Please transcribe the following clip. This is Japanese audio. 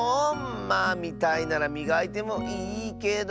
まあみたいならみがいてもいいけど。